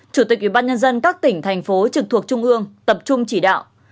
chủ tịch ủy ban nhân dân các tỉnh thành phố trực thuộc trung ương tập trung chỉ đạo